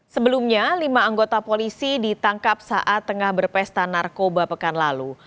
sebelumnya lima anggota polisi ditangkap saat tengah berpesta narkoba pekan lalu